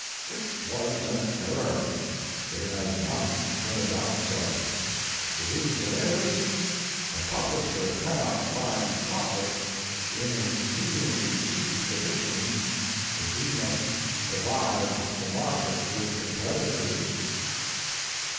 It was an error. It has not turned out so. The reason is, a publisher cannot find profit in an exceedingly cheap edition if he must divide the market with competitors.